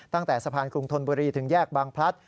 ตั้งแต่สะพานกรุงธนบุรีถึงแยกบางพลัด